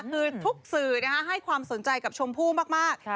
คือทุกสื่อให้ความสนใจกับชมพู่มาก